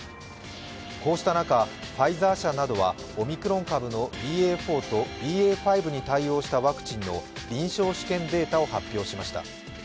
こうした中、ファイザー社などはオミクロン株のＢＡ．４とＢＡ．５に対応したワクチンの臨床試験データを発表しました。